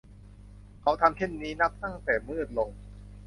เขาทำเช่นนี้นับตั้งแต่มืดลง